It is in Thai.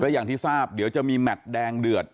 อย่างที่ทราบเดี๋ยวจะมีแมทแดงเดือด